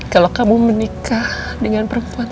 kalau kamu menikah dengan perempuan